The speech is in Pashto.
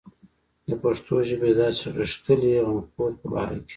د پښتو ژبې د داسې غښتلي غمخور په باره کې.